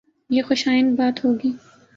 یہ خوش آئند بات ہو گی۔